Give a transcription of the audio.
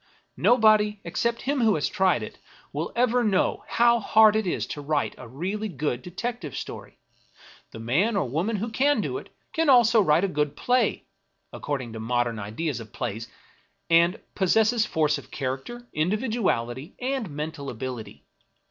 Nobody, except him who has tried it, will ever know how hard it is to write a really good detective story. The man or woman who can do it can also write a good play (according to modern ideas of plays), and pos sesses force of character, individuality, and mental ability.